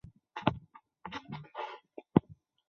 后奉旨输送万石米抵达陕西赈灾。